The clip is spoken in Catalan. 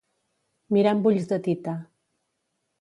Mirar amb ulls de tita.